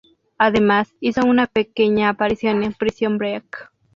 Además, hizo una pequeña aparición en "Prison Break".